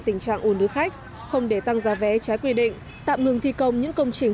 tình trạng ủ nứ khách không để tăng giá vé trái quy định tạm ngừng thi công những công trình